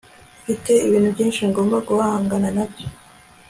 mfite ibintu byinshi ngomba guhangana nabyo